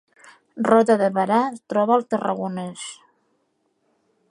Roda de Berà es troba al Tarragonès